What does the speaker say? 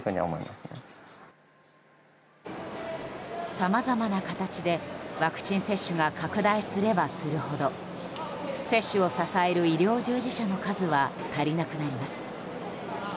さまざまな形でワクチン接種が拡大すればするほど接種を支える医療従事者の数は足りなくなります。